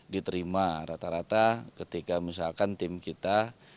diterima rata rata ketika misalkan tim kita